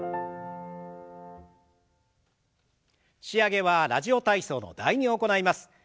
仕上げは「ラジオ体操」の「第２」を行います。